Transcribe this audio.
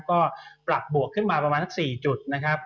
ก็ปรับบวกขึ้นมาประมาณสัก๔จุดนะครับ